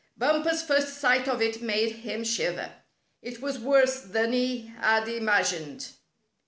Bumper's first sight of it made him shiver. It was worse than he had imagined.